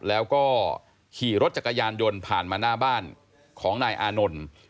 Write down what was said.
แล้วก็ขี่รถจักรยานยนต์ผ่านมาหน้าบ้านของนายอานนท์